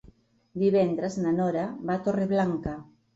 Divendres na Nora va a Torreblanca.